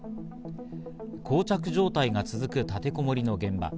こう着状態が続く立てこもりの現場。